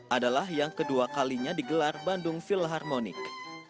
adalah yang kedua kalinya digelar bandung philharmonic